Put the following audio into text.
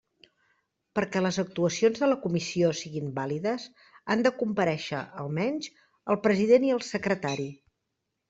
Perquè les actuacions de la comissió siguen vàlides, han de comparèixer, almenys, el president i el secretari.